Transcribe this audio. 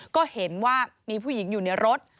ก็เห็นว่ามีผู้หญิงอยู่ในรถ